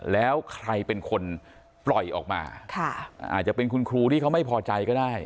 แล้วใครเป็นคนปล่อยออกมาอาจจะเป็นคุณครูที่เขาไม่พอใจก็ได้